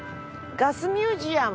ガスミュージアム。